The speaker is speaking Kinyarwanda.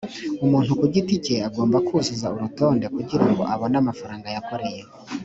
umuntu ku giti cye agomba kuzuza urutonde kugirango abone amafaranga yakoreye